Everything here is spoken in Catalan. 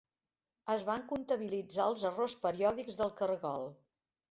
Es van comptabilitzar els errors periòdics del cargol.